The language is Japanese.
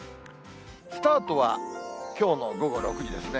スタートはきょうの午後６時ですね。